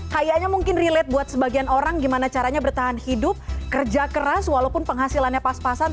kayaknya mungkin relate buat sebagian orang gimana caranya bertahan hidup kerja keras walaupun penghasilannya pas pasan